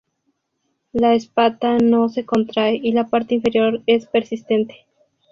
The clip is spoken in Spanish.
La espata no se contrae y la parte inferior es persistente.